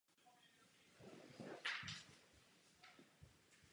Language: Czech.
Udržoval spojení s uprchlíky ze zajateckých a koncentračních táborů.